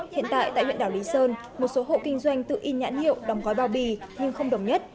hiện tại tại huyện đảo lý sơn một số hộ kinh doanh tự in nhãn hiệu đóng gói bao bì nhưng không đồng nhất